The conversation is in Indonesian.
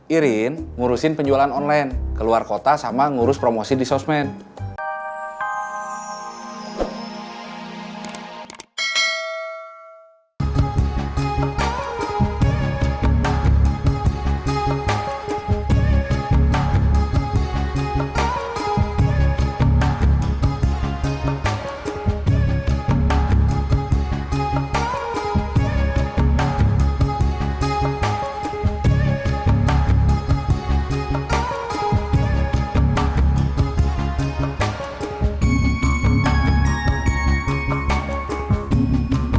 irin ngurusin penjualan online keluar kota sama ngurus promosi di sosmed